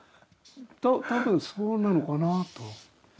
多分そうなのかなと。